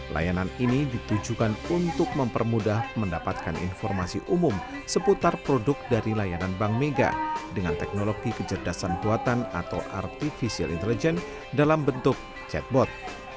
layanan ini ditujukan untuk mempermudah mendapatkan informasi umum seputar produk dari layanan bank mega dengan teknologi kecerdasan buatan atau artificial intelligence dalam bentuk chatbot